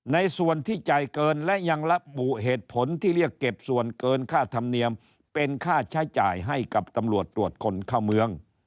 ในส่วนที่จ่ายเกินและยังระบุเหตุผลที่เรียกเก็บส่วนเกินค่าธรรมเนียมเป็นค่าใช้จ่ายให้กับตำรวจตรวจคนเข้าเมือง